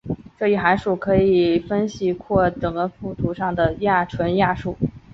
这一函数可以解析延拓为整个复平面上的亚纯函数。